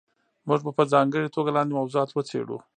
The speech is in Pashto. موږ به په ځانګړې توګه لاندې موضوعات وڅېړو.